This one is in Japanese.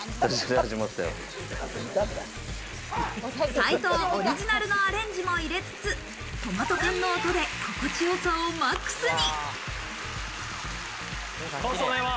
斉藤オリジナルのアレンジも入れつつ、トマト缶の音で心地よさをマックスに。